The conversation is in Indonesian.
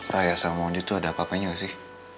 raya sama mondi tuh ada apa apanya gak sih